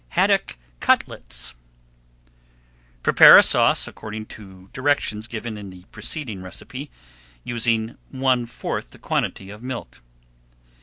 HADDOCK CUTLETS Prepare a sauce according to directions given in the preceding recipe, using one fourth the quantity of milk.